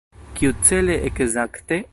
Kiucele ekzakte?